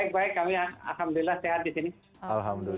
baik baik kami alhamdulillah sehat di sini